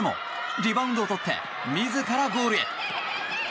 リバウンドをとって自らゴールへ。